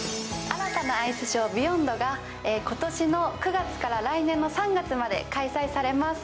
新たなアイスショー「ＢＥＹＯＮＤ」が今年の９月から来年の３月まで開催されます。